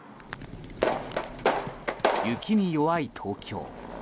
雪に弱い東京。